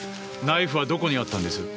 ナイフはどこにあったんです？